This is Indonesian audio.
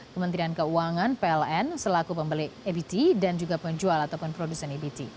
kementerian keuangan pln selaku pembeli ebt dan juga penjual ataupun produsen ebt